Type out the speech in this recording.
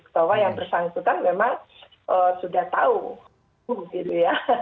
bahwa yang bersangkutan memang sudah tahu gitu ya